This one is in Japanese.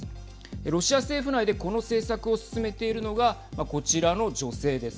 ロシア政府内でこの政策を進めているのがこちらの女性です。